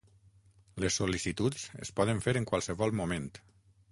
Les sol·licituds es poden fer en qualsevol moment.